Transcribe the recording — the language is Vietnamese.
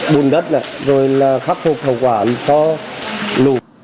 bùn đất này rồi là khắc phục hậu quả sau lũ